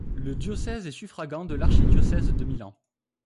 Le diocèse est suffragant de l'archidiocèse de Milan.